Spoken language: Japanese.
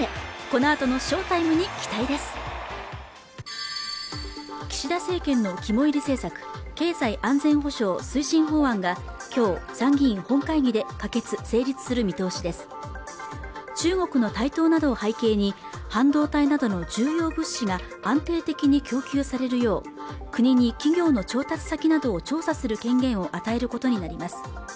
このあとの翔タイムに期待です岸田政権の肝煎り政策経済安全保障推進法案が今日参議院本会議で可決成立する見通しです中国の台頭などを背景に半導体などの重要物資が安定的に供給されるよう国に企業の調達先などを調査する権限を与えることになります